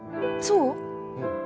うん。